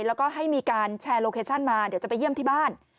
แล้วก็ให้มีการแชร์โลเคชั่นมาเดี๋ยวจะไปเยี่ยมที่บ้าน